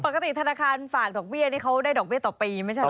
ปกติธนาคารฝากดอกเบี้ยนี่เขาได้ดอกเบี้ยต่อปีไม่ใช่เหรอ